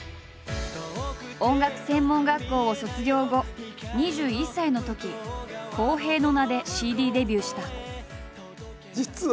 音楽専門学校を卒業後２１歳のとき「洸平」の名でＣＤデビューした。